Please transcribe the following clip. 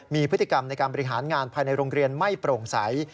มีพฤติกรรมในการบริหารงานภายในโรงเรียนไม่โปร่งใส